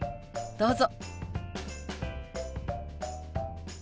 どうぞ。